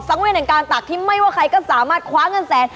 สังเวณการตักที่ไม่ว่าใครก็สามารถคว้าเงินแสน